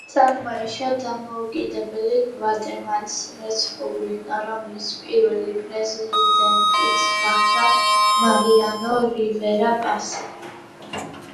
წარმოიშვა დამოუკიდებელი გვატემალის რესპუბლიკა, რომლის პირველი პრეზიდენტიც გახდა მარიანო რივერა პასი.